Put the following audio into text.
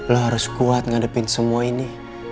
lo harus kuat ngadepin semua ini